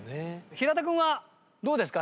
平田君はどうですか？